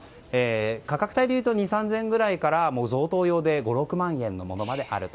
価格帯でいうと２０００３０００円ぐらいから贈答用で５６万円のものまであると。